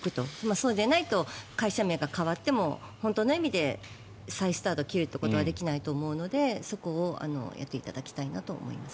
そうでないと会社名が変わっても本当の意味で再スタートを切るということはできないと思うのでそこをやっていただきたいなと思います。